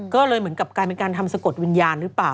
ก็เลยเหมือนกับกลายเป็นการทำสะกดวิญญาณหรือเปล่า